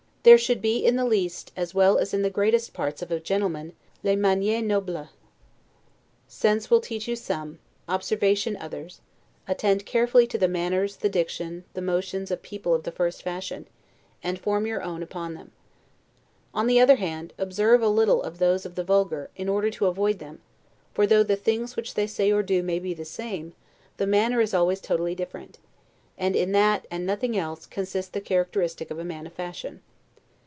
There should be in the least, as well as in the greatest parts of a gentleman, 'les manieres nobles'. Sense will teach you some, observation others; attend carefully to the manners, the diction, the motions, of people of the first fashion, and form your own upon them. On the other hand, observe a little those of the vulgar, in order to avoid them: for though the things which they say or do may be the same, the manner is always totally different: and in that, and nothing else, consists the characteristic of a man of fashion.